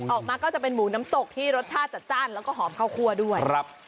ออกมาก็จะเป็นหมูน้ำตกที่รสชาติจัดจ้านแล้วก็หอมข้าวคั่วด้วยครับ